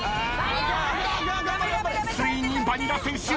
ついにバニラ選手。